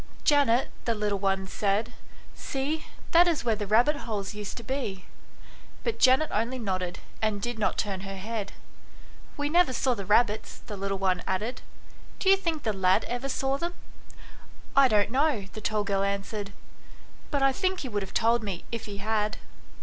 " Janet," the little one said, " see, that is where the rabbit holes used to be "; but Janet only nodded, and did not turn her head. " We never saw the rabbits," the little one added. " Do you think the lad ever saw them ?"" I don't know," the tall girl answered ;" but I think he would have told me if he had."